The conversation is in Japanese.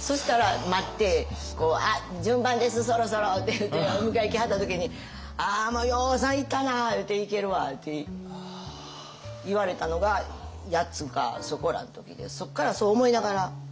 そしたら待って「あっ順番ですそろそろ」って言うてお迎え来はった時に「ああもうようさん行ったな言うて逝けるわ」って言われたのが８つかそこらの時でそっからそう思いながら。